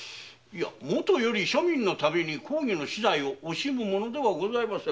もとより庶民のために公儀の資材を惜しむものではございません。